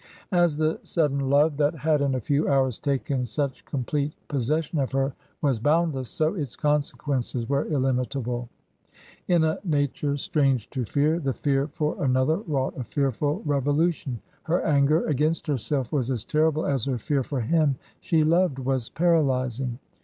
As the sudden love that had in a few hours taken such complete possession of her was boundless, so its consequences were illimitable. In a nature strange to fear, the fear for another wrought a fearful revolution. Her anger against herself was as terrible as her fear for him she loved was paralysing.